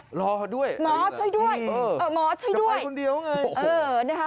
เดี๋ยวเธอด้วยมีอีกเลยนะแต่ไปคนเดียวไงโอ้โฮ